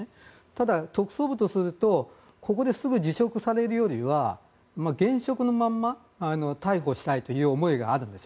ただ、特捜部とするとここですぐ辞職されるよりは現職のまま逮捕したいという思いがあるんです。